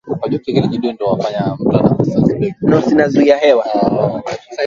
aridhishwa na kila linaloendelea sasa kwani mambo ni shwari kabisa